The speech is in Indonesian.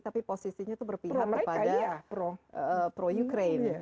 tapi posisinya itu berpihak kepada pro ukraine